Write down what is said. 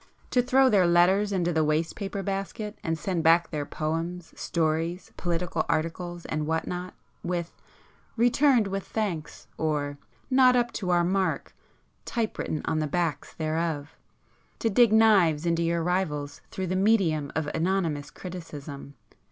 To throw their letters into the waste paper basket, and send back their poems, stories, political articles and what not, with 'Returned with thanks' or 'Not up to our mark' type written on the backs thereof! To dig knives into your rivals through the medium of anonymous criticism!